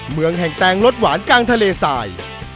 เมืองแห่งแตงรสหวานกลางทะเลสาย